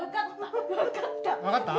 分かった。